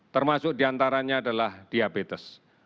termasuk di antaranya adalah diabetes